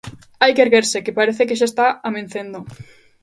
Hai que erguerse, que parece que xa está amencendo.